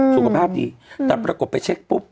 สุขภาพดีแต่ปรากฏไปเช็คปุ๊บ